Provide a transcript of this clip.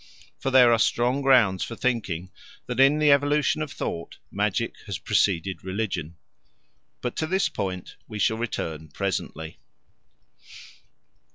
For there are strong grounds for thinking that, in the evolution of thought, magic has preceded religion. But to this point we shall return presently.